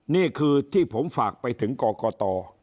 นี่คือที่ผมฝากไปถึงกรกต